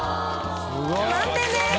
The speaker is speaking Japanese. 満点です。